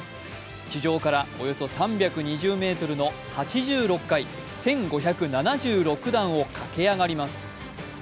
地上からおよそ３２０ｍの８６階１５７６段を駆け上がります。